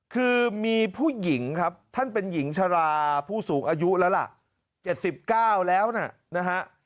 คือมีผู้หญิงครับท่านเป็นหญิงชราผู้สูงอายุแล้วล่ะ๗๙แล้วนะฮะ